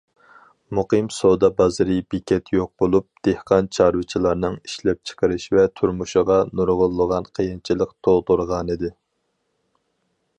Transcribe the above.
مۇقىم سودا بازىرى، بېكەت يوق بولۇپ، دېھقان- چارۋىچىلارنىڭ ئىشلەپچىقىرىش ۋە تۇرمۇشىغا نۇرغۇنلىغان قىيىنچىلىق تۇغدۇرغانىدى.